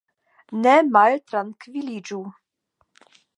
Ne maltrankviliĝu.